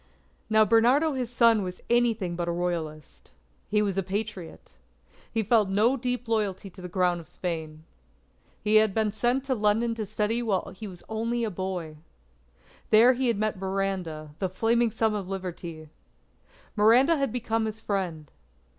Now, Bernardo his son was anything but a Royalist. He was a Patriot. He felt no deep loyalty to the Crown of Spain. He had been sent to London to study while he was only a boy. There he had met Miranda the Flaming Son of Liberty. Miranda had become his friend.